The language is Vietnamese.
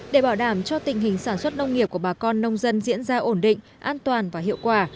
để bảo đảm cho tình hình sản xuất nông nghiệp của bà con nông dân diễn ra ổn định an toàn và hiệu quả